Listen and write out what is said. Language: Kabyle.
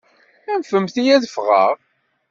Anfemt-iyi ad ffɣeɣ!